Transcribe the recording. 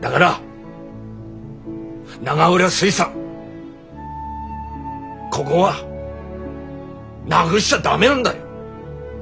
だがら永浦水産こごはなぐしちゃ駄目なんだよ。